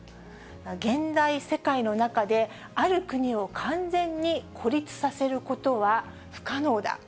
現代世界の中で、ある国を完全に孤立させることは不可能だ。